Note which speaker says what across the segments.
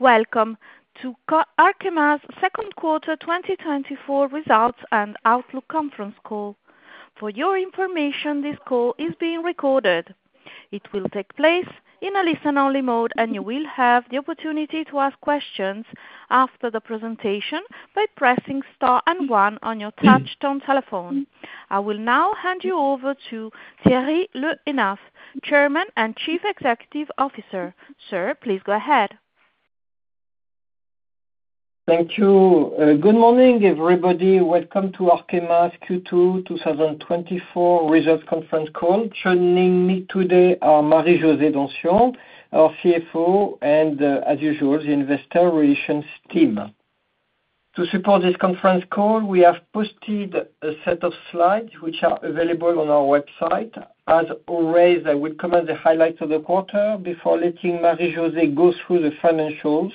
Speaker 1: Welcome to Arkema's second quarter 2024 results and outlook conference call. For your information, this call is being recorded. It will take place in a listen-only mode, and you will have the opportunity to ask questions after the presentation by pressing star and one on your touch-tone telephone. I will now hand you over to Thierry Le Hénaff, Chairman and Chief Executive Officer. Sir, please go ahead.
Speaker 2: Thank you. Good morning, everybody. Welcome to Arkema's Q2 2024 results conference call. Joining me today are Marie-José Donsion, our CFO, and, as usual, the investor relations team. To support this conference call, we have posted a set of slides which are available on our website. As always, I will comment on the highlights of the quarter before letting Marie-José go through the financials.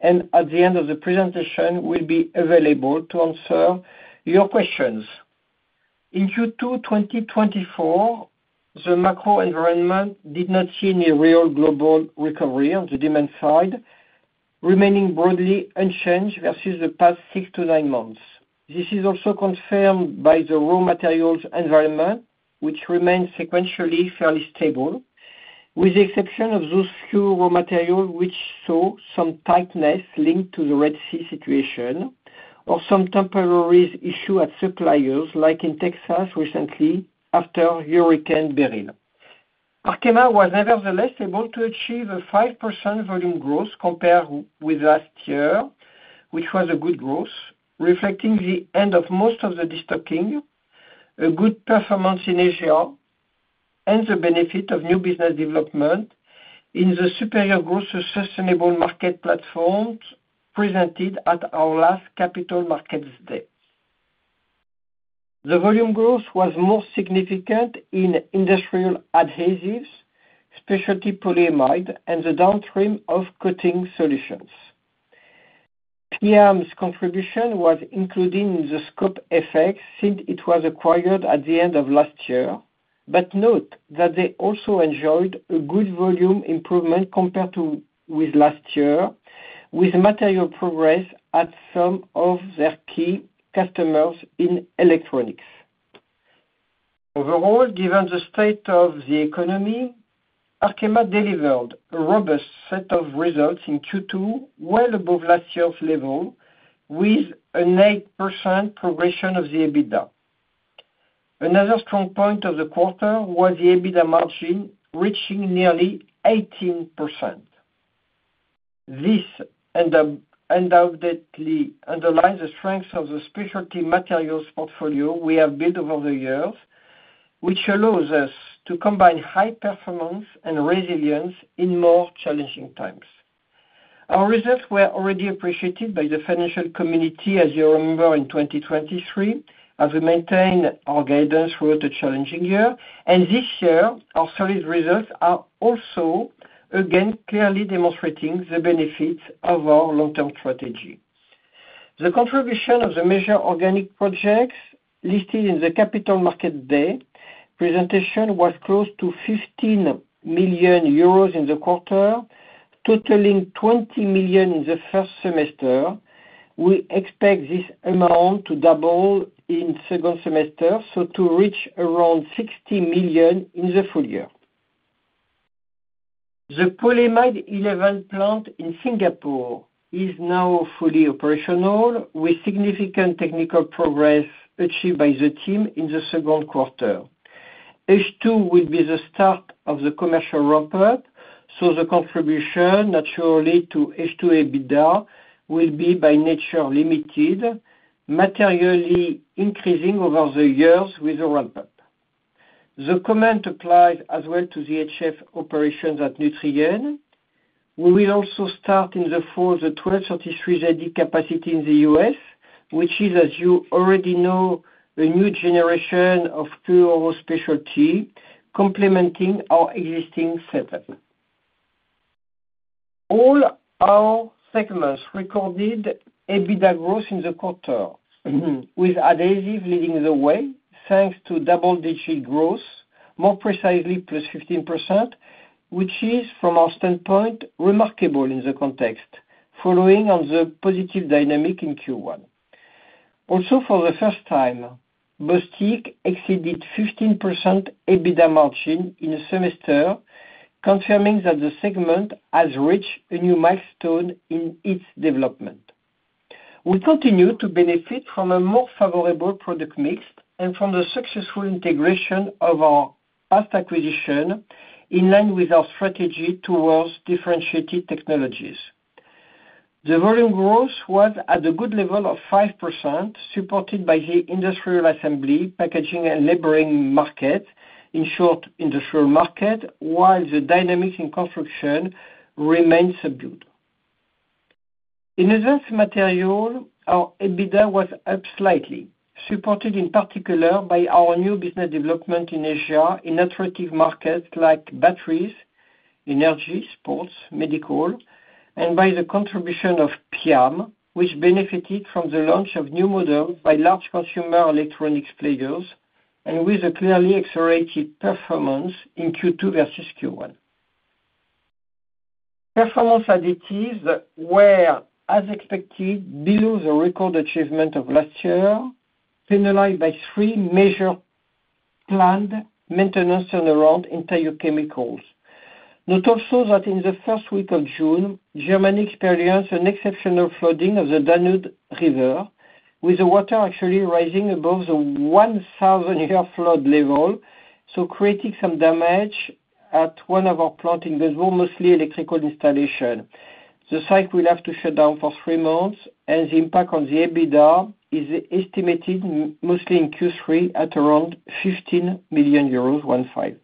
Speaker 2: At the end of the presentation, we'll be available to answer your questions. In Q2 2024, the macro environment did not see any real global recovery on the demand side, remaining broadly unchanged versus the past six to nine months. This is also confirmed by the raw materials environment, which remained sequentially fairly stable, with the exception of those few raw materials which saw some tightness linked to the Red Sea situation or some temporary issues at suppliers, like in Texas recently after Hurricane Beryl. Arkema was, nevertheless, able to achieve a 5% volume growth compared with last year, which was a good growth, reflecting the end of most of the destocking, a good performance in Asia, and the benefit of new business development in the superior growth of sustainable market platforms presented at our last Capital Markets Day. The volume growth was more significant in industrial adhesives, specialty polyamide, and the downstream of Coating Solutions. PIAM's contribution was included in the scope effects since it was acquired at the end of last year, but note that they also enjoyed a good volume improvement compared to last year, with material progress at some of their key customers in electronics. Overall, given the state of the economy, Arkema delivered a robust set of results in Q2, well above last year's level, with an 8% progression of the EBITDA. Another strong point of the quarter was the EBITDA margin reaching nearly 18%. This undoubtedly underlines the strength of the Specialty Materials portfolio we have built over the years, which allows us to combine high performance and resilience in more challenging times. Our results were already appreciated by the financial community, as you remember, in 2023, as we maintained our guidance throughout the challenging year. This year, our solid results are also, again, clearly demonstrating the benefits of our long-term strategy. The contribution of the major organic projects listed in the Capital Markets Day presentation was close to 15 million euros in the quarter, totaling 20 million in the first semester. We expect this amount to double in the second semester, so to reach around 60 million in the full year. The Polyamide 11 plant in Singapore is now fully operational, with significant technical progress achieved by the team in the second quarter. H2 will be the start of the commercial ramp-up, so the contribution, naturally, to H2 EBITDA will be by nature limited, materially increasing over the years with the ramp-up. The comment applies as well to the HF operations at Nutrien. We will also start in the fall the 1233ZD capacity in the U.S., which is, as you already know, a new generation of Forane specialty, complementing our existing setup. All our segments recorded EBITDA growth in the quarter, with adhesives leading the way, thanks to double-digit growth, more precisely +15%, which is, from our standpoint, remarkable in the context, following on the positive dynamic in Q1. Also, for the first time, Bostik exceeded 15% EBITDA margin in a semester, confirming that the segment has reached a new milestone in its development. We continue to benefit from a more favorable product mix and from the successful integration of our past acquisition in line with our strategy towards differentiated technologies. The volume growth was at a good level of 5%, supported by the industrial assembly, packaging, and labelling market, in short, industrial market, while the dynamics in construction remained subdued. In Advanced Materials, our EBITDA was up slightly, supported in particular by our new business development in Asia in attractive markets like batteries, energy, sports, medical, and by the contribution of PM, which benefited from the launch of new models by large consumer electronics players and with a clearly accelerated performance in Q2 versus Q1. Performance Additives were, as expected, below the record achievement of last year, penalized by 3 major planned maintenance turnarounds in Thiochemicals. Note also that in the first week of June, Germany experienced an exceptional flooding of the Danube River, with the water actually rising above the 1,000-year flood level, so creating some damage at one of our plants in Günzburg, mostly electrical installations. The site will have to shut down for 3 months, and the impact on the EBITDA is estimated mostly in Q3 at around €15 million.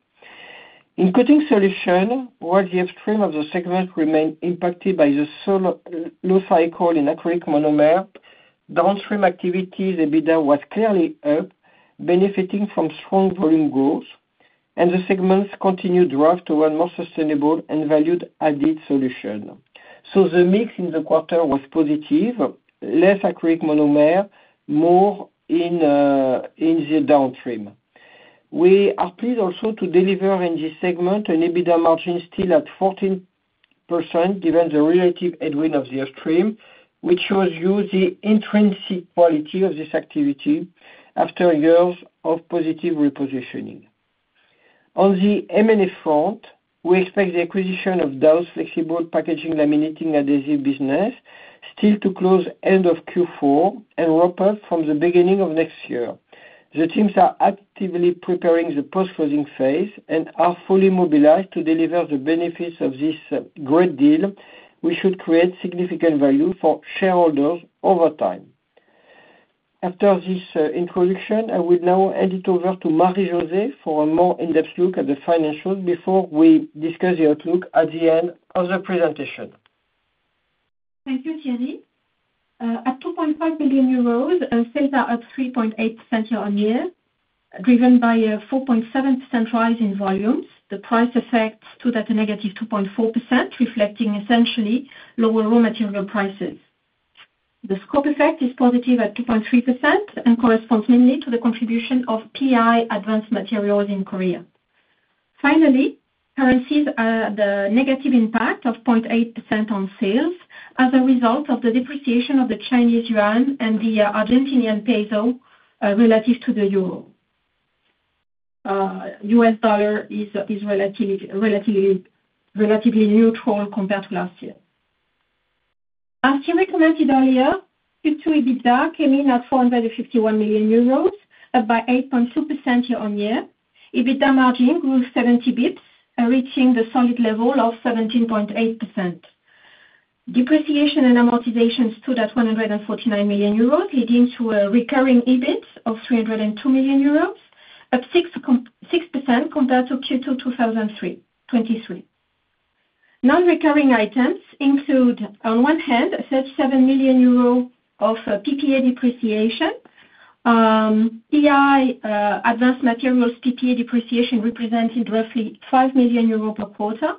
Speaker 2: In Coating Solutions, while the upstream of the segment remained impacted by the slow cycle in acrylic monomer, downstream activity in EBITDA was clearly up, benefiting from strong volume growth, and the segment's continued drift toward more sustainable and value-added solutions. So the mix in the quarter was positive, less acrylic monomer, more in the downstream. We are pleased also to deliver in this segment an EBITDA margin still at 14% given the relative headwind of the upstream, which shows you the intrinsic quality of this activity after years of positive repositioning. On the M&A front, we expect the acquisition of Dow's flexible packaging laminating adhesive business still to close end of Q4 and ramp up from the beginning of next year. The teams are actively preparing the post-closing phase and are fully mobilized to deliver the benefits of this great deal, which should create significant value for shareholders over time. After this introduction, I will now hand it over to Marie-José for a more in-depth look at the financials before we discuss the outlook at the end of the presentation.
Speaker 3: Thank you, Thierry. At €2.5 billion, sales are up 3.8% year-over-year, driven by a 4.7% rise in volumes. The price effect stood at a negative 2.4%, reflecting essentially lower raw material prices. The scope effect is positive at 2.3% and corresponds mainly to the contribution of PI Advanced Materials in Korea. Finally, currencies are at a negative impact of 0.8% on sales as a result of the depreciation of the Chinese yuan and the Argentinian peso relative to the euro. US dollar is relatively neutral compared to last year. As Thierry commented earlier, Q2 EBITDA came in at €451 million, up by 8.2% year-over-year. EBITDA margin grew 70 basis points, reaching the solid level of 17.8%. Depreciation and amortization stood at €149 million, leading to a recurring EBIT of €302 million, up 6% compared to Q2 2023. Non-recurring items include, on one hand, €37 million of PPA depreciation. PI Advanced Materials PPA depreciation represented roughly €5 million per quarter.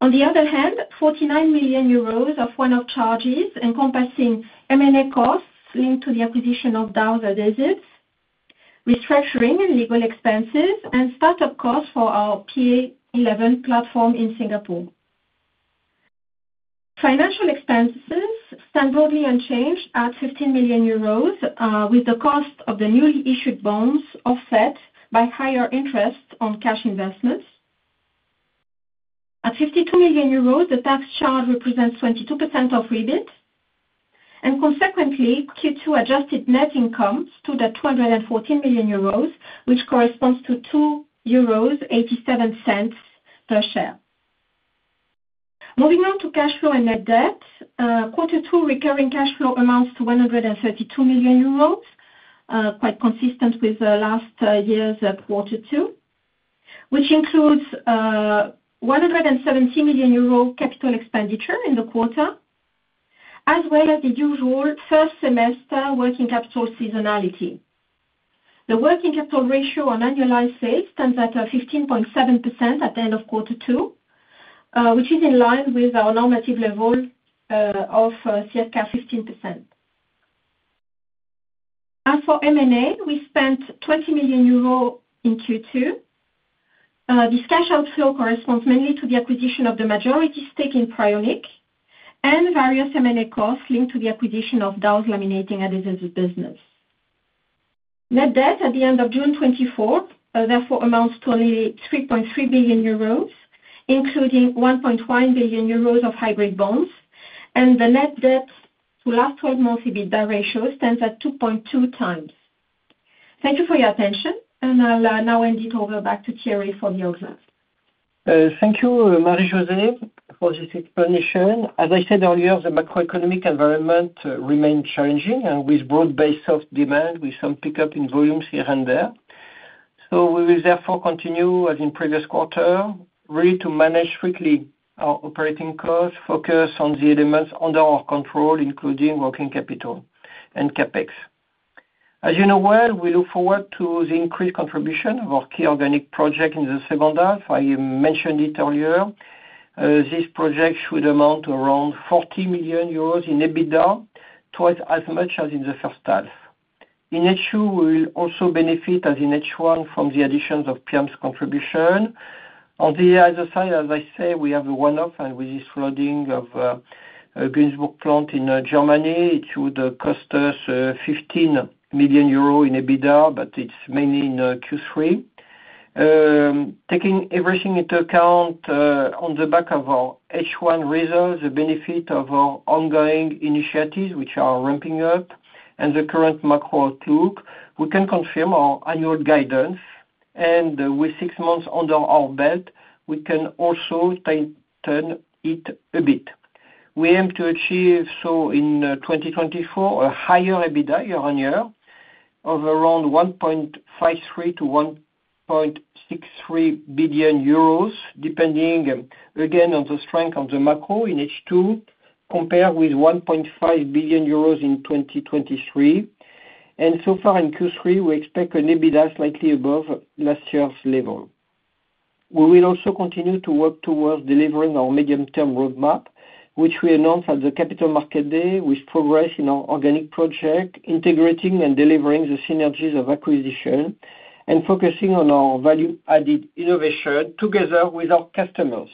Speaker 3: On the other hand, €49 million of one-off charges encompassing M&A costs linked to the acquisition of Dow's adhesives, restructuring and legal expenses, and start-up costs for our PA11 platform in Singapore. Financial expenses stand broadly unchanged at €15 million, with the cost of the newly issued bonds offset by higher interest on cash investments. At €52 million, the tax charge represents 22% of EBIT. Consequently, Q2 adjusted net income stood at €214 million, which corresponds to €2.87 per share. Moving on to cash flow and net debt, quarter two recurring cash flow amounts to €132 million, quite consistent with last year's quarter two, which includes €170 million capital expenditure in the quarter, as well as the usual first semester working capital seasonality. The working capital ratio on annualized sales stands at 15.7% at the end of quarter two, which is in line with our normative level of circa 15%. As for M&A, we spent €20 million in Q2. This cash outflow corresponds mainly to the acquisition of the majority stake in Proionic and various M&A costs linked to the acquisition of Dow's laminating adhesives business. Net debt at the end of June 2024, therefore, amounts to only €3.3 billion, including €1.1 billion of hybrid bonds, and the net debt to last 12-month EBITDA ratio stands at 2.2 times. Thank you for your attention, and I'll now hand it over back to Thierry for the outlook.
Speaker 2: Thank you, Marie-José, for this explanation. As I said earlier, the macroeconomic environment remains challenging and with broad-based soft demand, with some pickup in volumes here and there. So we will therefore continue, as in previous quarter, really to manage strictly our operating costs, focus on the elements under our control, including working capital and CapEx. As you know well, we look forward to the increased contribution of our key organic project in the second half. I mentioned it earlier. This project should amount to around 40 million euros in EBITDA, twice as much as in the first half. In H2, we will also benefit, as in H1, from the additions of PM's contribution. On the other side, as I said, we have a one-off with this flooding of Günzburg plant in Germany. It would cost us 15 million euros in EBITDA, but it's mainly in Q3. Taking everything into account on the back of our H1 results, the benefit of our ongoing initiatives, which are ramping up, and the current macro outlook, we can confirm our annual guidance. With six months under our belt, we can also tighten it a bit. We aim to achieve, so in 2024, a higher EBITDA year-on-year of around 1.53 billion-1.63 billion euros, depending again on the strength of the macro in H2, compared with 1.5 billion euros in 2023. So far, in Q3, we expect an EBITDA slightly above last year's level. We will also continue to work towards delivering our medium-term roadmap, which we announced at the Capital Markets Day, with progress in our organic project, integrating and delivering the synergies of acquisition, and focusing on our value-added innovation together with our customers.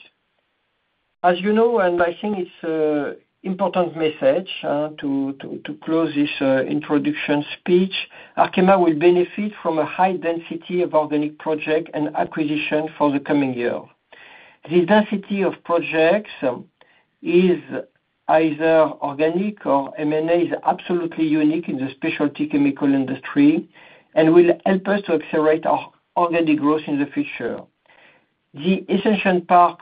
Speaker 2: As you know, and I think it's an important message to close this introduction speech, Arkema will benefit from a high density of organic projects and acquisitions for the coming year. The density of projects is either organic or M&A is absolutely unique in the specialty chemical industry and will help us to accelerate our organic growth in the future. The essential part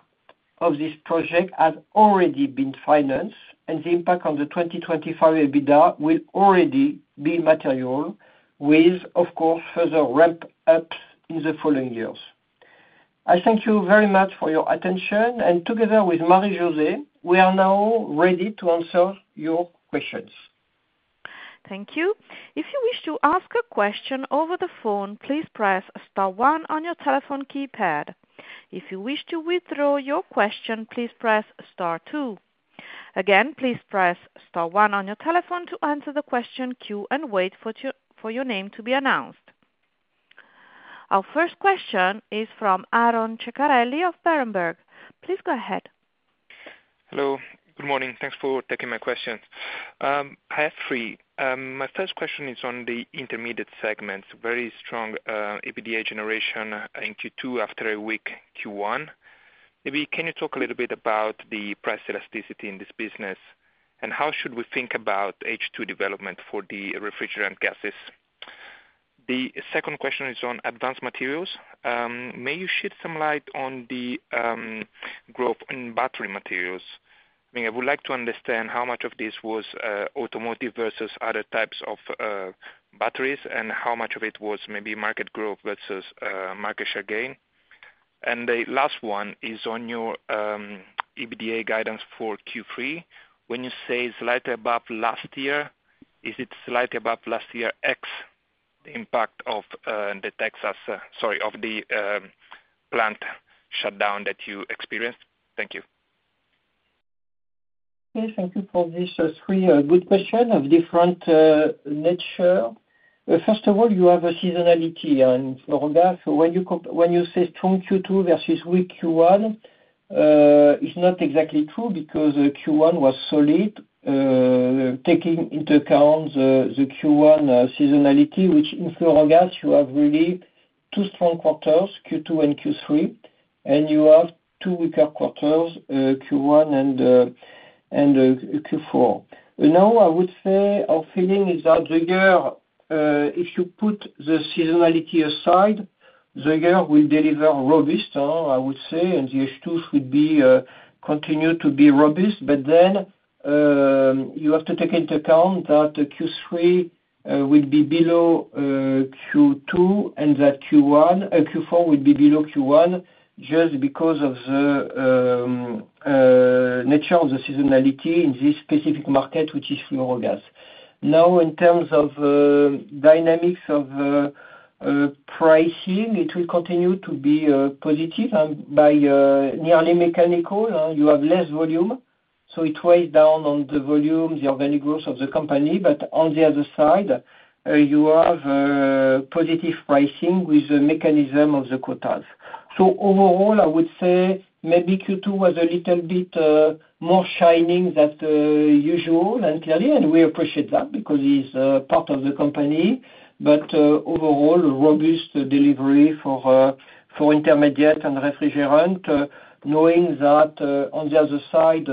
Speaker 2: of this project has already been financed, and the impact on the 2025 EBITDA will already be material, with, of course, further ramp-ups in the following years. I thank you very much for your attention, and together with Marie-José, we are now ready to answer your questions.
Speaker 1: Thank you. If you wish to ask a question over the phone, please press Star 1 on your telephone keypad. If you wish to withdraw your question, please press Star 2. Again, please press Star 1 on your telephone to answer the question queue and wait for your name to be announced. Our first question is from Aron Ceccarelli of Berenberg. Please go ahead.
Speaker 4: Hello. Good morning. Thanks for taking my question. I have three. My first question is on the intermediate segment, very strong EBITDA generation in Q2 after a weak Q1. Maybe can you talk a little bit about the price elasticity in this business, and how should we think about H2 development for the refrigerant gases? The second question is on advanced materials. May you shed some light on the growth in battery materials? I mean, I would like to understand how much of this was automotive versus other types of batteries and how much of it was maybe market growth versus market share gain. And the last one is on your EBITDA guidance for Q3. When you say slightly above last year, is it slightly above last year ex the impact of the Texas, sorry, of the plant shutdown that you experienced? Thank you.
Speaker 2: Okay. Thank you for these three good questions of different nature. First of all, you have a seasonality in fluorogas. When you say strong Q2 versus weak Q1, it's not exactly true because Q1 was solid, taking into account the Q1 seasonality, which in fluorogas, you have really two strong quarters, Q2 and Q3, and you have two weaker quarters, Q1 and Q4. Now, I would say our feeling is that the year, if you put the seasonality aside, the year will deliver robust, I would say, and the H2 should continue to be robust. But then you have to take into account that Q3 will be below Q2 and that Q4 will be below Q1 just because of the nature of the seasonality in this specific market, which is fluorogas. Now, in terms of dynamics of pricing, it will continue to be positive by nearly mechanical. You have less volume, so it weighs down on the volume, the organic growth of the company. But on the other side, you have positive pricing with the mechanism of the quotas. So overall, I would say maybe Q2 was a little bit more shining than usual and clearly, and we appreciate that because it's part of the company. But overall, robust delivery for intermediate and refrigerant, knowing that on the other side,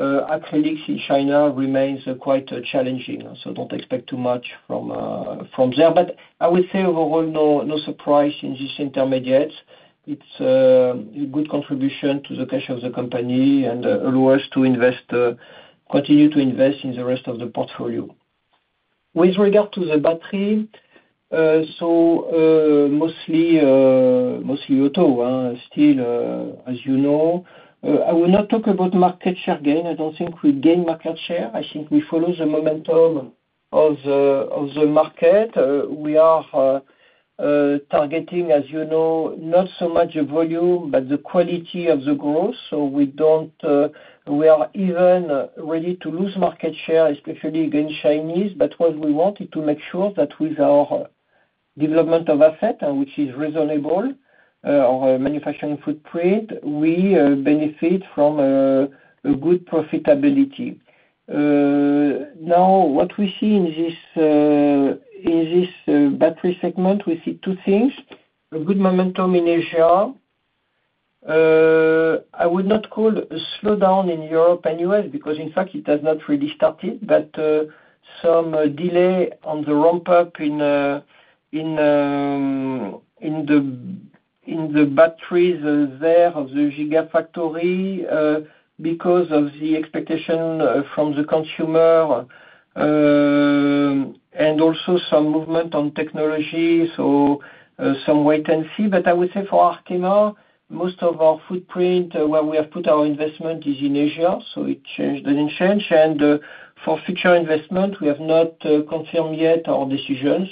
Speaker 2: acrylics in China remains quite challenging. So don't expect too much from there. But I would say overall, no surprise in this intermediate. It's a good contribution to the cash of the company and allow us to invest, continue to invest in the rest of the portfolio. With regard to the battery, so mostly auto still, as you know. I will not talk about market share gain. I don't think we gain market share. I think we follow the momentum of the market. We are targeting, as you know, not so much the volume, but the quality of the growth. So we are even ready to lose market share, especially against Chinese. But what we want is to make sure that with our development of asset, which is reasonable, our manufacturing footprint, we benefit from a good profitability. Now, what we see in this battery segment, we see two things: a good momentum in Asia. I would not call a slowdown in Europe and US because, in fact, it has not really started, but some delay on the ramp-up in the batteries there of the Gigafactory because of the expectation from the consumer and also some movement on technology, so some wait and see. But I would say for Arkema, most of our footprint where we have put our investment is in Asia, so it changed and changed. And for future investment, we have not confirmed yet our decision.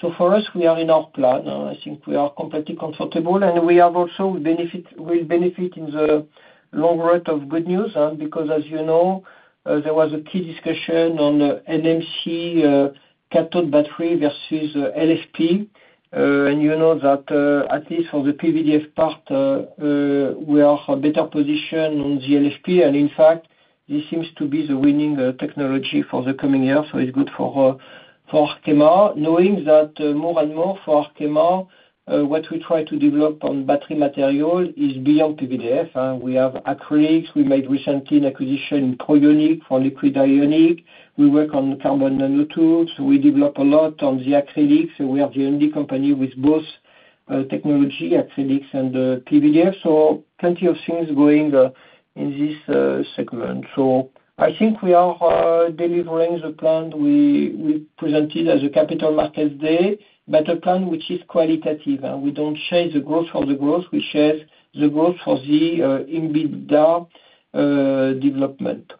Speaker 2: So for us, we are in our plan. I think we are completely comfortable, and we will benefit in the long run of good news because, as you know, there was a key discussion on NMC cathode battery versus LFP. And you know that, at least for the PVDF part, we are better positioned on the LFP. And in fact, this seems to be the winning technology for the coming year, so it's good for Arkema, knowing that more and more for Arkema, what we try to develop on battery material is beyond PVDF. We have acrylics. We made recently an acquisition in Proionic for ionic liquid. We work on carbon nanotubes. We develop a lot on the acrylics. We are the only company with both technology, acrylics, and PVDF. So plenty of things going in this segment. So I think we are delivering the plan we presented at the Capital Markets Day, but a plan which is qualitative. We don't share the growth for the growth. We share the growth for the EBITDA development.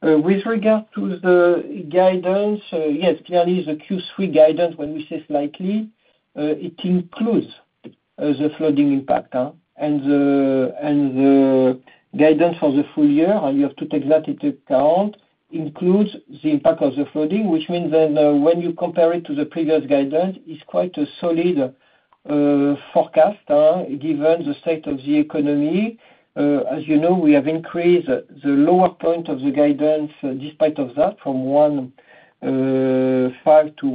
Speaker 2: With regard to the guidance, yes, clearly the Q3 guidance, when we say slightly, it includes the flooding impact. And the guidance for the full year, you have to take that into account, includes the impact of the flooding, which means then when you compare it to the previous guidance, it's quite a solid forecast given the state of the economy. As you know, we have increased the lower point of the guidance despite that from 1.5 to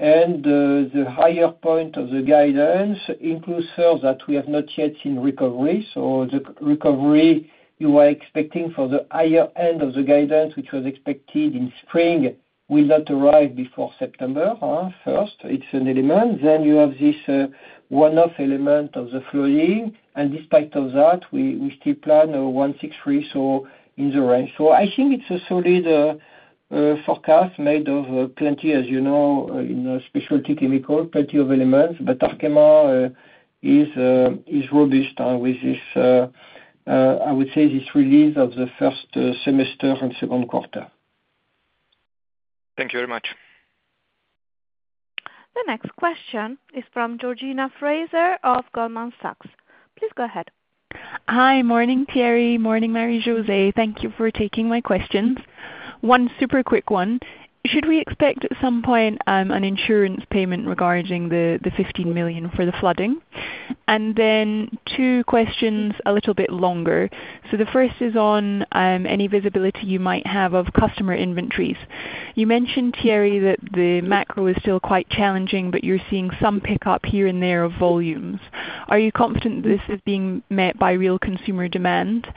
Speaker 2: 1.53. The higher point of the guidance includes first that we have not yet seen recovery. So the recovery you are expecting for the higher end of the guidance, which was expected in spring, will not arrive before September 1st. It's an element. Then you have this one-off element of the flooding. And despite of that, we still plan 1.63, so in the range. So I think it's a solid forecast made of plenty, as you know, in specialty chemical, plenty of elements. But Arkema is robust with this, I would say, this release of the first semester and second quarter.
Speaker 4: Thank you very much.
Speaker 1: The next question is from Georgina Fraser of Goldman Sachs. Please go ahead.
Speaker 4: Hi. Morning, Thierry. Morning, Marie-José. Thank you for taking my questions. One super quick one. Should we expect at some point an insurance payment regarding the 15 million for the flooding? And then two questions a little bit longer. So the first is on any visibility you might have of customer inventories. You mentioned, Thierry, that the macro is still quite challenging, but you're seeing some pickup here and there of volumes. Are you confident this is being met by real consumer demand?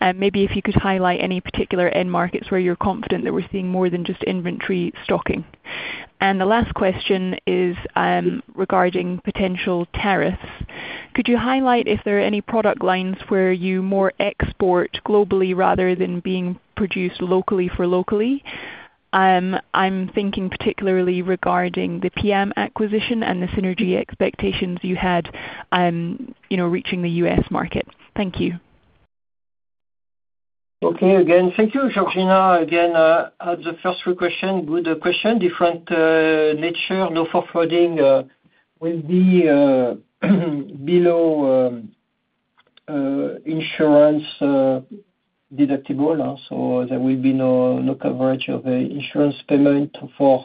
Speaker 4: And maybe if you could highlight any particular end markets where you're confident that we're seeing more than just inventory stocking. And the last question is regarding potential tariffs. Could you highlight if there are any product lines where you more export globally rather than being produced locally for locally? I'm thinking particularly regarding the PM acquisition and the synergy expectations you had reaching the US market. Thank you.
Speaker 2: Okay. Again, thank you, Georgina. Again, the first few questions, good questions. Different nature, no flooding will be below insurance deductible. So there will be no coverage of the insurance payment for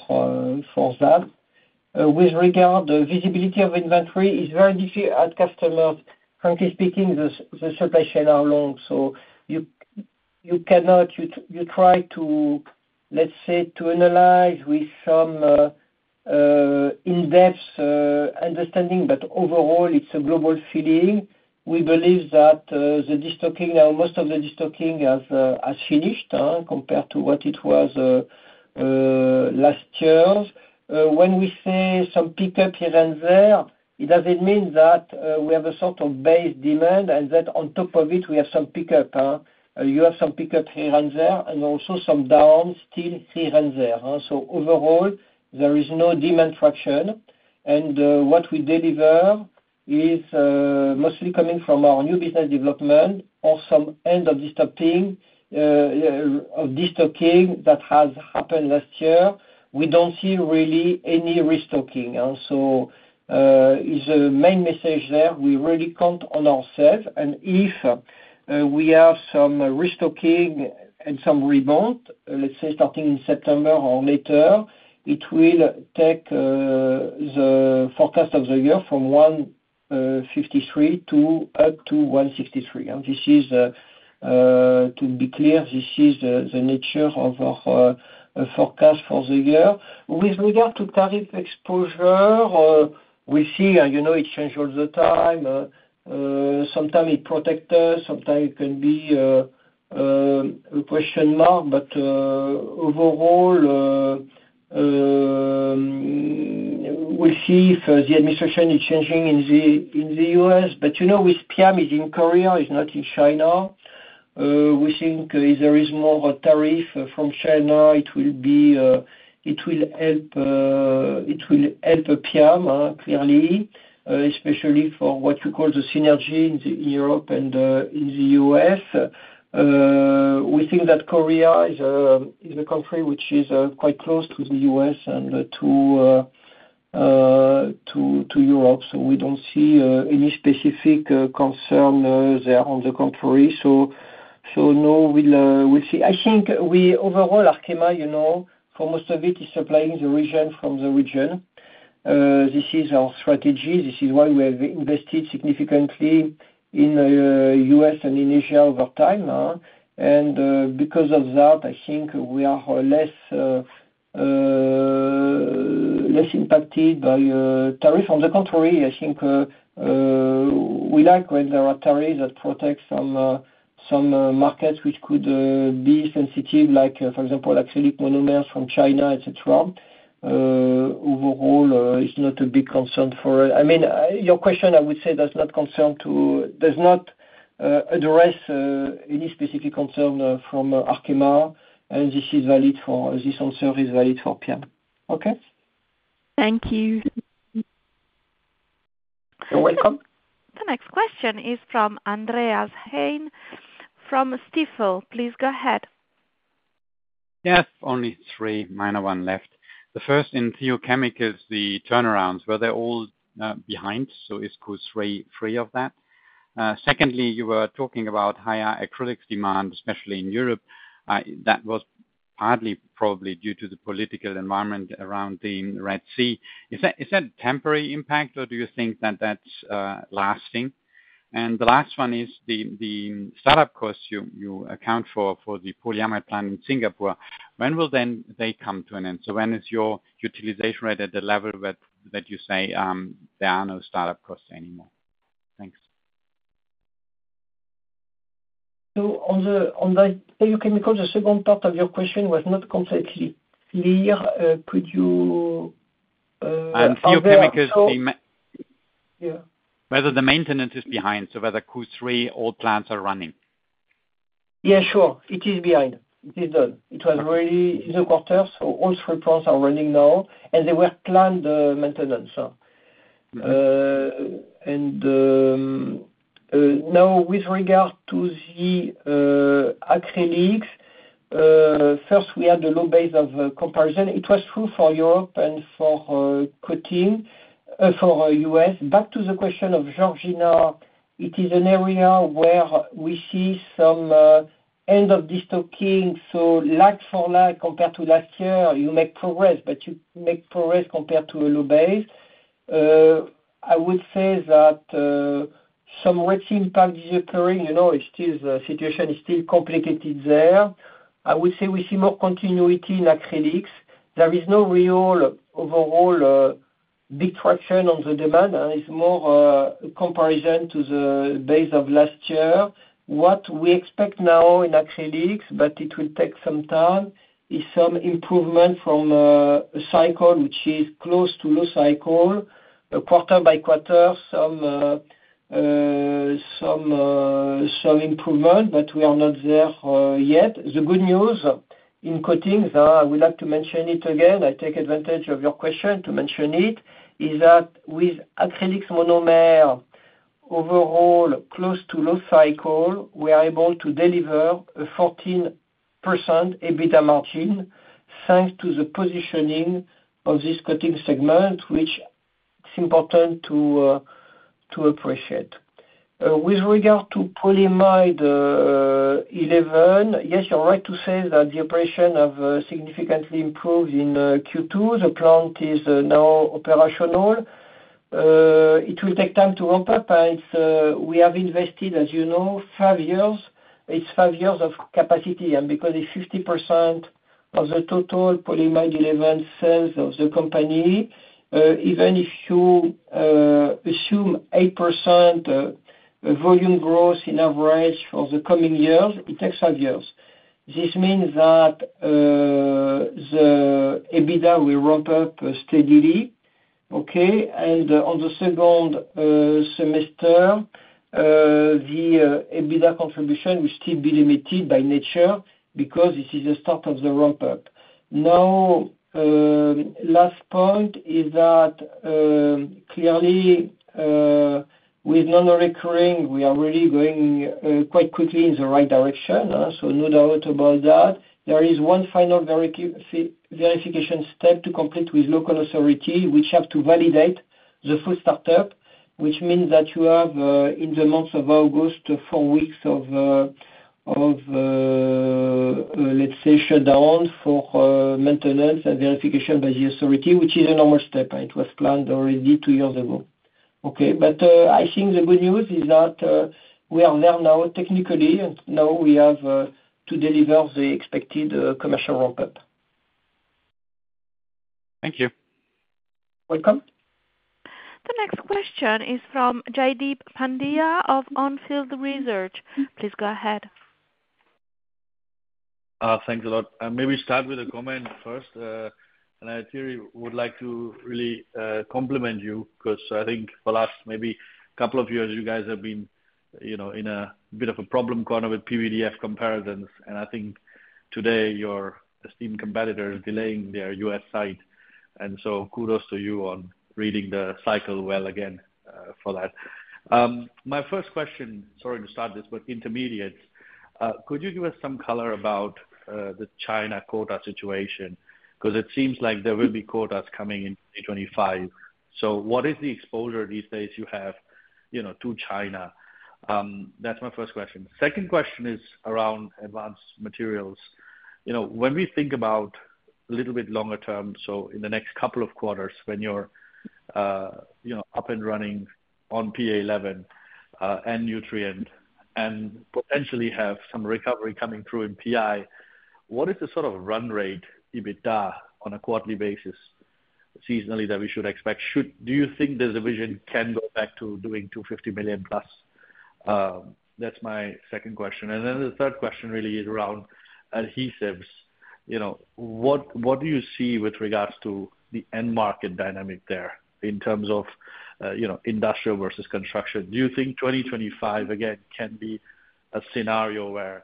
Speaker 2: that. With regard to visibility of inventory, it's very difficult at customers. Frankly speaking, the supply chains are long, so you try to, let's say, to analyze with some in-depth understanding, but overall, it's a global feeling. We believe that the destocking, most of the destocking has finished compared to what it was last year. When we say some pickup here and there, it doesn't mean that we have a sort of base demand and that on top of it, we have some pickup. You have some pickup here and there and also some down still here and there. So overall, there is no demand traction. What we deliver is mostly coming from our new business development or some end of destocking that has happened last year. We don't see really any restocking. It's a main message there. We really count on ourselves. If we have some restocking and some rebound, let's say starting in September or later, it will take the forecast of the year from 1.53 up to 1.63. To be clear, this is the nature of our forecast for the year. With regard to tariff exposure, we see it changes all the time. Sometimes it protects us. Sometimes it can be a question mark. But overall, we see if the administration is changing in the U.S. But with PM, it's in Korea. It's not in China. We think if there is more tariff from China, it will help PM clearly, especially for what you call the synergy in Europe and in the U.S. We think that Korea is a country which is quite close to the U.S. and to Europe. So we don't see any specific concern there on the country. So no, we'll see. I think overall, Arkema for most of it is supplying the region from the region. This is our strategy. This is why we have invested significantly in the U.S. and in Asia over time. And because of that, I think we are less impacted by tariff. On the contrary, I think we like when there are tariffs that protect some markets which could be sensitive, like, for example, acrylic monomers from China, etc. Overall, it's not a big concern for us. I mean, your question, I would say, does not address any specific concern from Arkema. And this answer is valid for PM. Okay?
Speaker 1: Thank you.
Speaker 2: You're welcome.
Speaker 1: The next question is from Andreas Heine from Stifel. Please go ahead.
Speaker 4: Yes. Only three minor ones left. The first in thiochemicals, the turnarounds, were they all behind? So is Q3 free of that? Secondly, you were talking about higher acrylics demand, especially in Europe. That was partly probably due to the political environment around the Red Sea. Is that a temporary impact, or do you think that that's lasting? And the last one is the startup costs you account for the polyamide plant in Singapore. When will then they come to an end? So when is your utilization rate at the level that you say there are no startup costs anymore? Thanks.
Speaker 2: On the thiochemicals, the second part of your question was not completely clear. Could you answer?
Speaker 4: Thiochemicals, yeah. Whether the maintenance is behind, so whether Q3, all plants are running?
Speaker 2: Yeah, sure. It is behind. It is done. It was really the quarter, so all three plants are running now, and they were planned maintenance. And now, with regard to the acrylics, first, we had the low base of comparison. It was true for Europe and for U.S. Back to the question of Georgina, it is an area where we see some end of destocking. So year for year compared to last year, you make progress, but you make progress compared to a low base. I would say that some Red Sea impact is occurring. It's still the situation is still complicated there. I would say we see more continuity in acrylics. There is no real overall big traction on the demand. It's more a comparison to the base of last year. What we expect now in acrylics, but it will take some time, is some improvement from a cycle which is close to low cycle, quarter by quarter, some improvement, but we are not there yet. The good news in coatings, I would like to mention it again. I take advantage of your question to mention it, is that with acrylics monomer, overall close to low cycle, we are able to deliver a 14% EBITDA margin thanks to the positioning of this coating segment, which is important to appreciate. With regard to Polyamide 11, yes, you're right to say that the operation has significantly improved in Q2. The plant is now operational. It will take time to ramp up. We have invested, as you know, five years. It's five years of capacity. Because it's 50% of the total polyamide 11 sales of the company, even if you assume 8% volume growth in average for the coming years, it takes 5 years. This means that the EBITDA will ramp up steadily. Okay? And on the second semester, the EBITDA contribution will still be limited by nature because this is the start of the ramp up. Now, last point is that clearly, with non-recurring, we are really going quite quickly in the right direction. So no doubt about that. There is one final verification step to complete with local authority, which have to validate the full startup, which means that you have in the months of August, 4 weeks of, let's say, shutdown for maintenance and verification by the authority, which is a normal step. It was planned already 2 years ago. Okay? I think the good news is that we are there now technically. Now we have to deliver the expected commercial ramp up.
Speaker 4: Thank you.
Speaker 2: You're welcome.
Speaker 1: The next question is from Jaydeep Pandya of Onfield Research. Please go ahead.
Speaker 4: Thanks a lot. Maybe start with a comment first. And I, Thierry, would like to really compliment you because I think for the last maybe couple of years, you guys have been in a bit of a problem corner with PVDF comparisons. And I think today your esteemed competitor is delaying their US site. And so kudos to you on reading the cycle well again for that. My first question, sorry to start this, but intermediates, could you give us some color about the China quota situation? Because it seems like there will be quotas coming in 2025. So what is the exposure these days you have to China? That's my first question. Second question is around advanced materials. When we think about a little bit longer term, so in the next couple of quarters when you're up and running on PA 11 and Nutrien and potentially have some recovery coming through in PI, what is the sort of run rate EBITDA on a quarterly basis seasonally that we should expect? Do you think the division can go back to doing 250 million plus? That's my second question. And then the third question really is around adhesives. What do you see with regards to the end market dynamic there in terms of industrial versus construction? Do you think 2025, again, can be a scenario where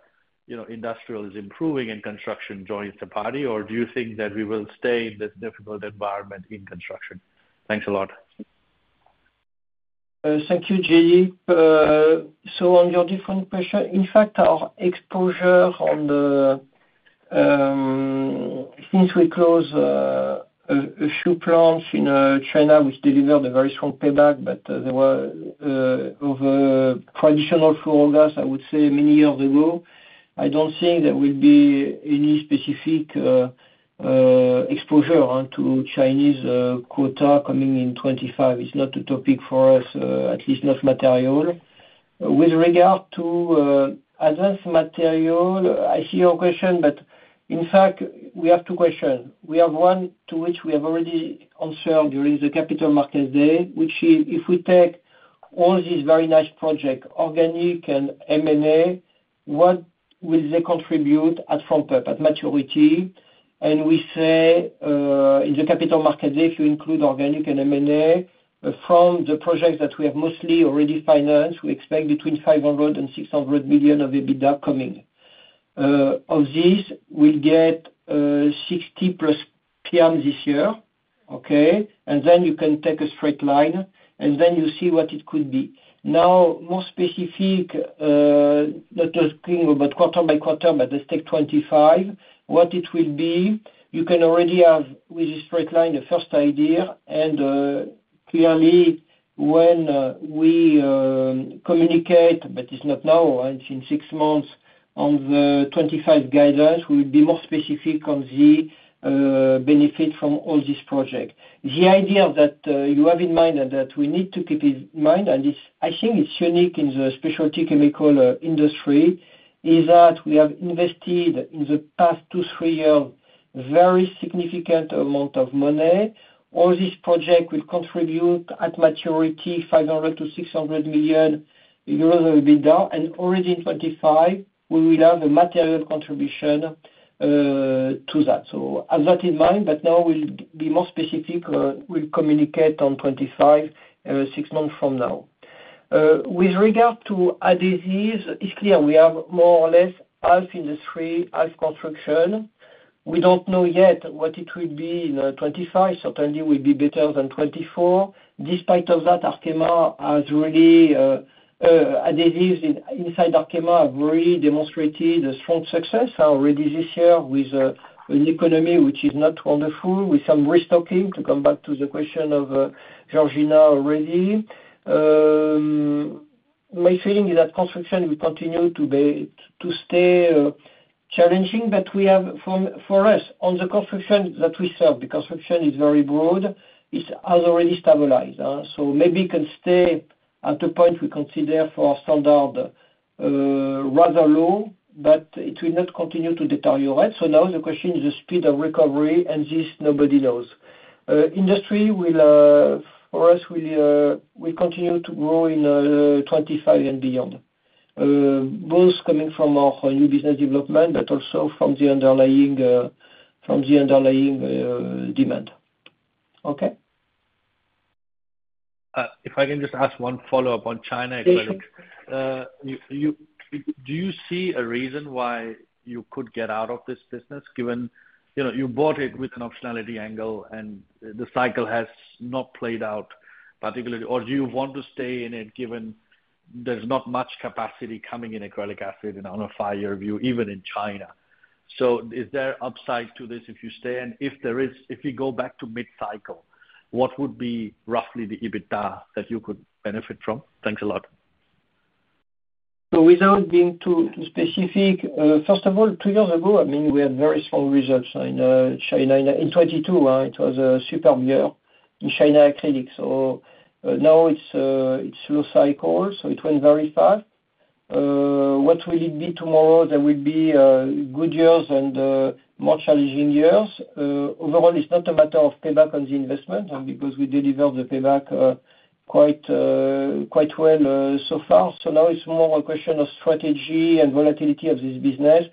Speaker 4: industrial is improving and construction joins the party, or do you think that we will stay in this difficult environment in construction? Thanks a lot.
Speaker 2: Thank you, Jaydeep. So on your different question, in fact, our exposure on the since we closed a few plants in China, which delivered a very strong payback, but there were over traditional fluorogas, I would say, many years ago, I don't think there will be any specific exposure to Chinese quota coming in 2025. It's not a topic for us, at least not material. With regard to Advanced Materials, I see your question, but in fact, we have two questions. We have one to which we have already answered during the Capital Markets Day, which is if we take all these very nice projects, organic and M&A, what will they contribute at ramp up, at maturity? And we say in the Capital Markets Day, if you include organic and M&A, from the projects that we have mostly already financed, we expect between 500 million and 600 million of EBITDA coming. Of these, we'll get 60+ PM this year. Okay? And then you can take a straight line, and then you see what it could be. Now, more specific, not talking about quarter by quarter, but let's take 2025, what it will be, you can already have with this straight line the first idea. And clearly, when we communicate, but it's not now, it's in six months on the 2025 guidance, we will be more specific on the benefit from all these projects. The idea that you have in mind and that we need to keep in mind, and I think it's unique in the specialty chemical industry, is that we have invested in the past 2, 3 years very significant amount of money. All these projects will contribute at maturity 500-600 million euros of EBITDA. And already in 2025, we will have a material contribution to that. So have that in mind. But now we'll be more specific. We'll communicate on 2025, six months from now. With regard to adhesives, it's clear we have more or less half industry, half construction. We don't know yet what it will be in 2025. Certainly, it will be better than 2024. Despite of that, Arkema has really adhesives inside Arkema have really demonstrated strong success already this year with an economy which is not wonderful, with some restocking to come back to the question of Georgina already. My feeling is that construction will continue to stay challenging, but for us, on the construction that we serve, the construction is very broad. It has already stabilized. So maybe it can stay at the point we consider for our standard rather low, but it will not continue to deteriorate. So now the question is the speed of recovery, and this nobody knows. Industry will, for us, will continue to grow in 2025 and beyond, both coming from our new business development, but also from the underlying demand. Okay?
Speaker 4: If I can just ask one follow-up on China.
Speaker 2: Yes, please.
Speaker 4: Do you see a reason why you could get out of this business given you bought it with an optionality angle and the cycle has not played out particularly, or do you want to stay in it given there's not much capacity coming in acrylic acid on a 5-year view, even in China? So is there upside to this if you stay? And if we go back to mid-cycle, what would be roughly the EBITDA that you could benefit from? Thanks a lot.
Speaker 2: So without being too specific, first of all, two years ago, I mean, we had very strong results in China. In 2022, it was a superb year in China acrylics. So now it's low cycle, so it went very fast. What will it be tomorrow? There will be good years and more challenging years. Overall, it's not a matter of payback on the investment because we delivered the payback quite well so far. So now it's more a question of strategy and volatility of this business.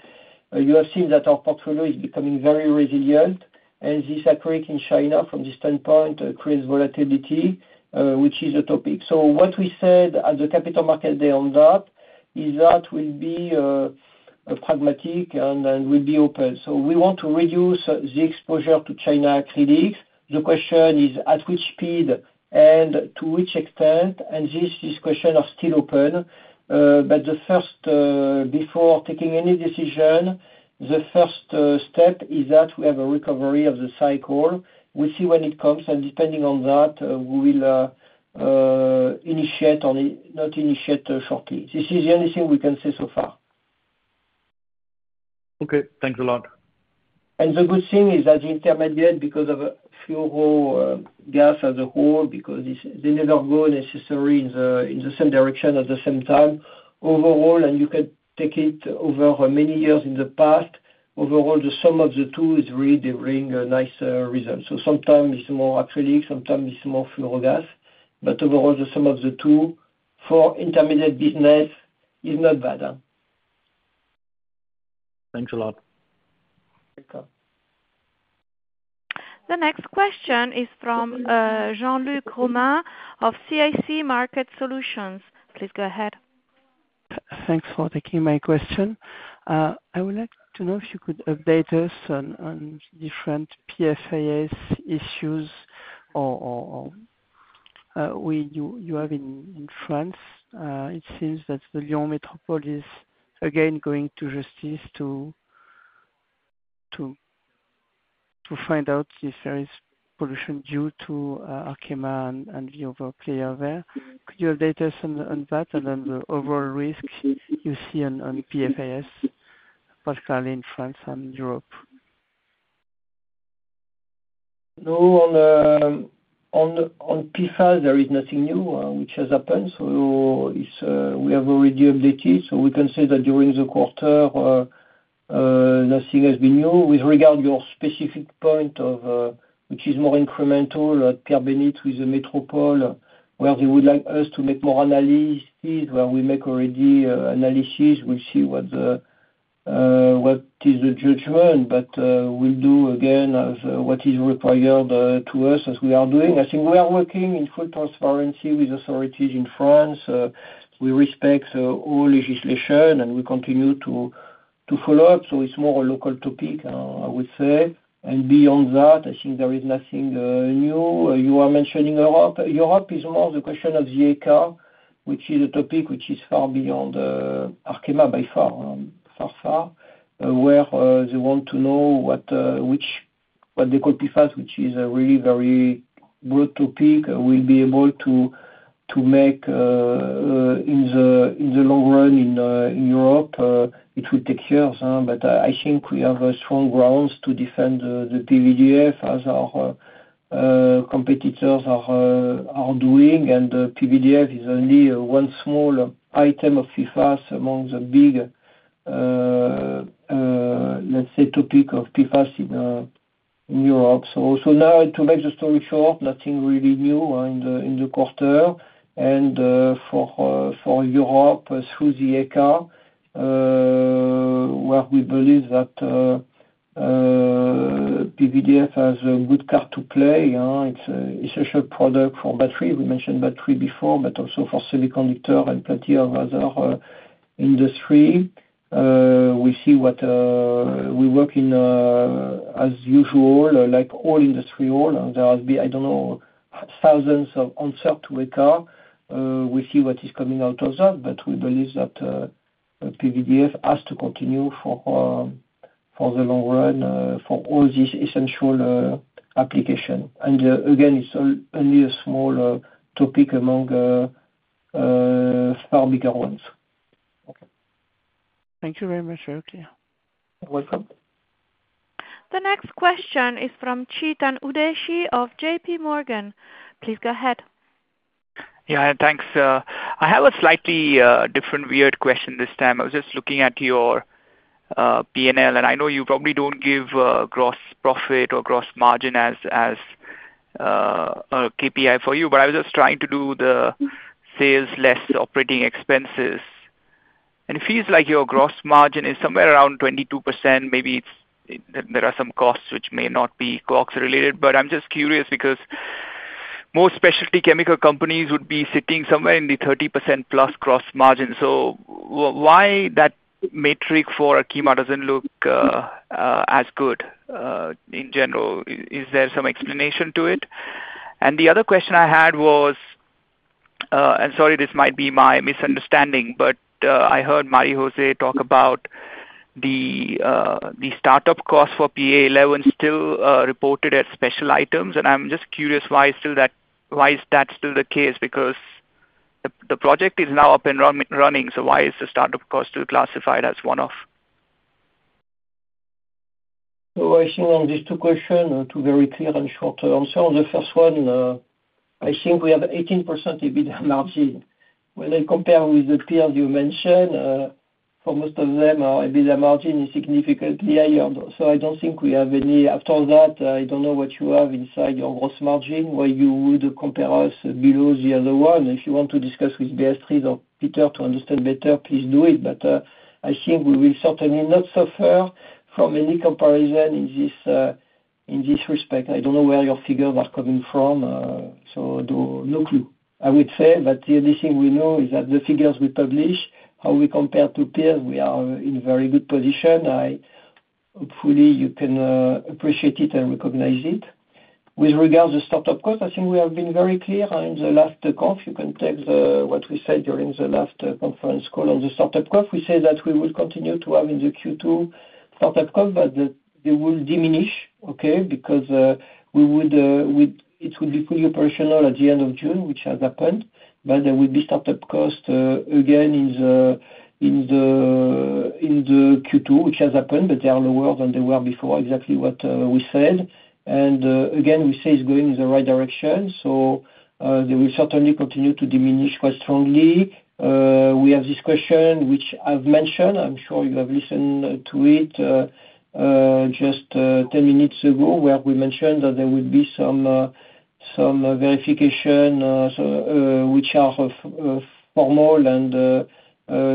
Speaker 2: You have seen that our portfolio is becoming very resilient, and this acrylic in China, from this standpoint, creates volatility, which is a topic. So what we said at the capital market day on that is that we'll be pragmatic and we'll be open. So we want to reduce the exposure to China acrylics. The question is at which speed and to which extent, and this is a question of still open. But before taking any decision, the first step is that we have a recovery of the cycle. We'll see when it comes, and depending on that, we will initiate or not initiate shortly. This is the only thing we can say so far.
Speaker 4: Okay. Thanks a lot.
Speaker 2: The good thing is that the Intermediates, because of fluorogas as a whole, because they never go necessarily in the same direction at the same time. Overall, you can take it over many years in the past, overall, the sum of the two is really delivering nice results. Sometimes it's more acrylic, sometimes it's more fluorogas. Overall, the sum of the two for Intermediates business is not bad.
Speaker 4: Thanks a lot.
Speaker 2: Thank you.
Speaker 1: The next question is from Jean-Luc Romain of CIC Market Solutions. Please go ahead.
Speaker 4: Thanks for taking my question. I would like to know if you could update us on different PFAS issues you have in France. It seems that the Lyon Métropole is again going to justice to find out if there is pollution due to Arkema and the other player there. Could you update us on that and on the overall risk you see on PFAS, particularly in France and Europe?
Speaker 2: No, on PFAS, there is nothing new which has happened. So we have already updated. So we can say that during the quarter, nothing has been new. With regard to your specific point, which is more incremental at Pierre-Bénite with the métropole, where they would like us to make more analysis, where we make already analysis, we'll see what is the judgment. But we'll do again what is required to us as we are doing. I think we are working in full transparency with authorities in France. We respect all legislation, and we continue to follow up. So it's more a local topic, I would say. And beyond that, I think there is nothing new. You are mentioning Europe. Europe is more the question of ECHA, which is a topic which is far beyond Arkema by far, where they want to know what they call PFAS, which is a really very broad topic. We'll be able to make in the long run in Europe. It will take years, but I think we have strong grounds to defend the PVDF as our competitors are doing. And PVDF is only one small item of PFAS among the big, let's say, topic of PFAS in Europe. So now, to make the story short, nothing really new in the quarter. And for Europe, through ECHA, where we believe that PVDF has a good card to play, it's a social product for battery. We mentioned battery before, but also for semiconductor and plenty of other industries. We see what we work in, as usual, like all industries, there has been, I don't know, thousands of answers to ECHA. We see what is coming out of that, but we believe that PVDF has to continue for the long run for all these essential applications. And again, it's only a small topic among far bigger ones.
Speaker 4: Thank you very much, Jaydeep.
Speaker 2: You're welcome.
Speaker 1: The next question is from Chetan Udeshi of JPMorgan. Please go ahead.
Speaker 4: Yeah, thanks. I have a slightly different, weird question this time. I was just looking at your P&L, and I know you probably don't give gross profit or gross margin as a KPI for you, but I was just trying to do the sales less operating expenses. And it feels like your gross margin is somewhere around 22%. Maybe there are some costs which may not be clock-related, but I'm just curious because most specialty chemical companies would be sitting somewhere in the 30%+ gross margin. So why that metric for Arkema doesn't look as good in general? Is there some explanation to it? And the other question I had was, and sorry, this might be my misunderstanding, but I heard Marie-José talk about the startup cost for PA 11 still reported as special items. And I'm just curious why is that still the case? Because the project is now up and running, so why is the startup cost still classified as one-off?
Speaker 2: So I think on these two questions, two very clear and short answers. The first one, I think we have 18% EBITDA margin. When I compare with the peers you mentioned, for most of them, our EBITDA margin is significantly higher. So I don't think we have any after that, I don't know what you have inside your gross margin where you would compare us below the other one. If you want to discuss with Beatrice or Peter to understand better, please do it. But I think we will certainly not suffer from any comparison in this respect. I don't know where your figures are coming from, so no clue, I would say. But the only thing we know is that the figures we publish, how we compare to peers, we are in very good position. Hopefully, you can appreciate it and recognize it. With regard to the startup cost, I think we have been very clear in the last conference. You can take what we said during the last conference call on the startup cost. We said that we will continue to have in the Q2 startup cost, but they will diminish, okay, because it would be fully operational at the end of June, which has happened. But there will be startup cost again in the Q2, which has happened, but they are lower than they were before, exactly what we said. And again, we say it's going in the right direction. So they will certainly continue to diminish quite strongly. We have this question which I've mentioned. I'm sure you have listened to it just 10 minutes ago, where we mentioned that there would be some verification which are formal and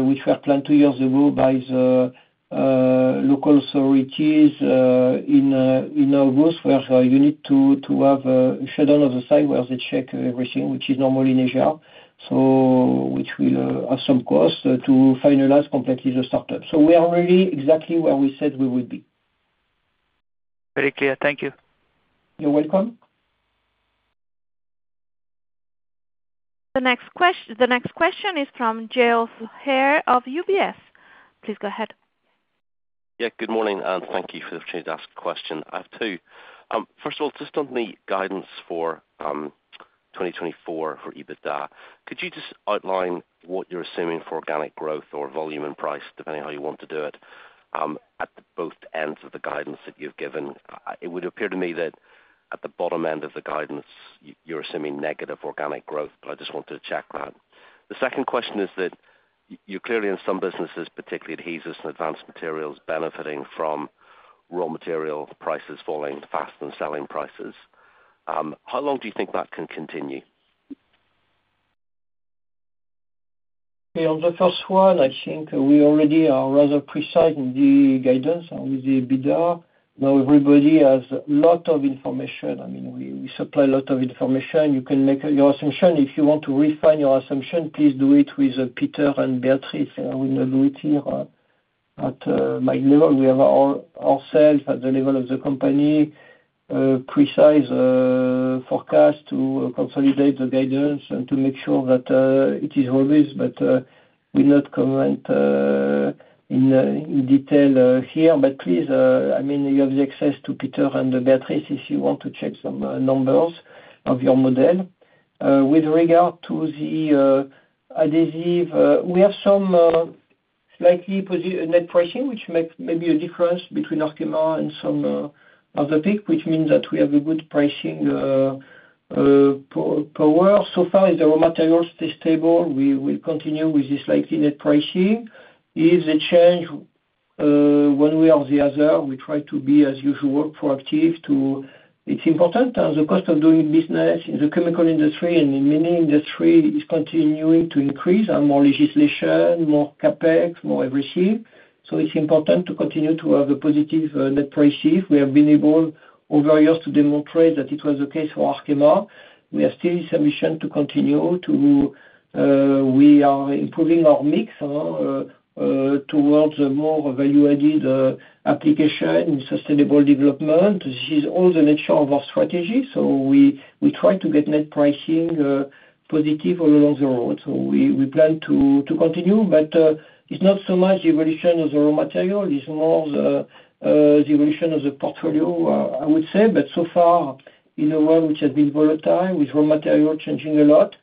Speaker 2: which were planned two years ago by the local authorities in August, where you need to have a shutdown of the site where they check everything, which is normally in Asia, which will have some cost to finalize completely the startup. We are really exactly where we said we would be.
Speaker 4: Very clear. Thank you.
Speaker 2: You're welcome.
Speaker 1: The next question is from Geoff Haire of UBS. Please go ahead.
Speaker 4: Yeah, good morning, and thank you for the opportunity to ask a question. I have two. First of all, just on the guidance for 2024 for EBITDA, could you just outline what you're assuming for organic growth or volume and price, depending on how you want to do it, at both ends of the guidance that you've given? It would appear to me that at the bottom end of the guidance, you're assuming negative organic growth, but I just wanted to check that. The second question is that you're clearly in some businesses, particularly adhesives and advanced materials, benefiting from raw material prices falling faster than selling prices. How long do you think that can continue?
Speaker 2: Okay, on the first one, I think we already are rather precise in the guidance with the EBITDA. Now, everybody has a lot of information. I mean, we supply a lot of information. You can make your assumption. If you want to refine your assumption, please do it with Peter and Béatrice. I will not do it here at my level. We have ourselves, at the level of the company, precise forecasts to consolidate the guidance and to make sure that it is obvious, but we'll not comment in detail here. But please, I mean, you have the access to Peter and Béatrice if you want to check some numbers of your model. With regard to the adhesive, we have some slightly net pricing, which makes maybe a difference between Arkema and some other peer, which means that we have a good pricing power. So far, if the raw materials stay stable, we will continue with this slightly net pricing. If they change one way or the other, we try to be as usual proactive to. It's important. The cost of doing business in the chemical industry and in many industries is continuing to increase. There are more legislation, more CapEx, more everything. So it's important to continue to have a positive net pricing. We have been able over the years to demonstrate that it was the case for Arkema. We have still this ambition to continue to. We are improving our mix towards a more value-added application in sustainable development. This is all the nature of our strategy. So we try to get net pricing positive all along the road. So we plan to continue, but it's not so much the evolution of the raw material. It's more the evolution of the portfolio, I would say. But so far, in a world which has been volatile with raw material changing a lot,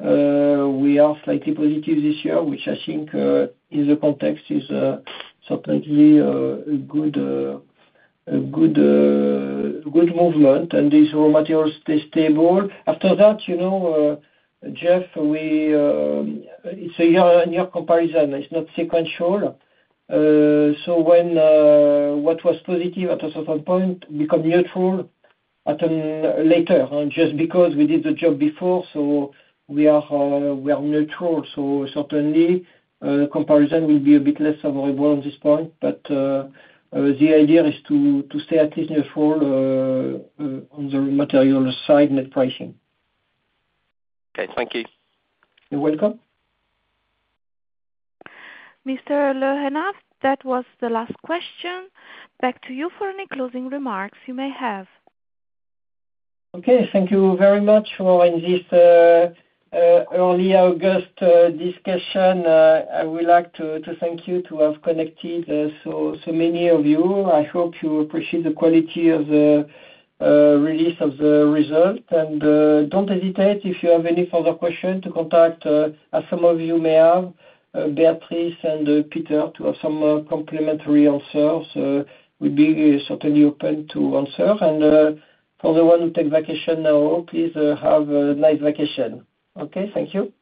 Speaker 2: we are slightly positive this year, which I think in the context is certainly a good movement. And these raw materials stay stable. After that, Jeff, it's a year-on-year comparison. It's not sequential. So what was positive at a certain point becomes neutral later, just because we did the job before. So we are neutral. So certainly, comparison will be a bit less favorable on this point. But the idea is to stay at least neutral on the raw material side net pricing.
Speaker 4: Okay. Thank you.
Speaker 2: You're welcome.
Speaker 1: Mr. Le Hénaff, that was the last question. Back to you for any closing remarks you may have.
Speaker 2: Okay. Thank you very much for this early August discussion. I would like to thank you to have connected so many of you. I hope you appreciate the quality of the release of the results. Don't hesitate if you have any further questions to contact, as some of you may have, Béatrice and Peter, to have some complimentary answers. We'll be certainly open to answers. For the one who takes vacation now, please have a nice vacation. Okay? Thank you.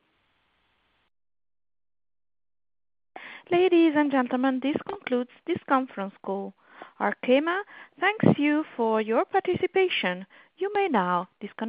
Speaker 1: Ladies and gentlemen, this concludes this conference call. Arkema thanks you for your participation. You may now disconnect.